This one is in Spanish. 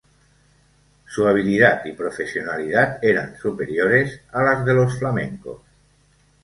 Su habilidad y profesionalidad eran superiores a las de los flamencos.